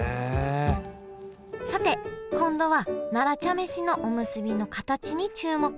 さて今度は奈良茶飯のおむすびの形に注目。